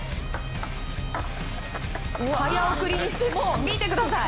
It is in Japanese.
早送りにしても、見てください